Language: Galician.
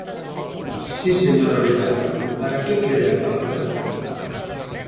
Si, señor Abellá, ¿para que quere a palabra?